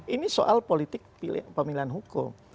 ini soal politik pemilihan hukum